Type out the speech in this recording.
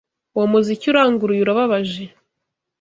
Uwo muziki uranguruye urababaje.